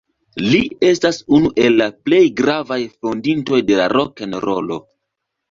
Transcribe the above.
Li estas unu el la plej gravaj fondintoj de la rokenrolo.